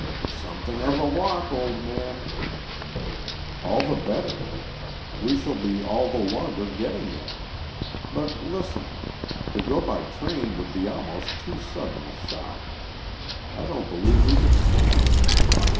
"Something of a walk, old man." "All the better. We shall be all the longer getting there. But, listen. To go by train would be almost too sudden a shock. I don't believe we could stand it.